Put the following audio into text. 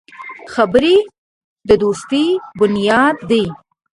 خبرې د دوستي بنیاد دی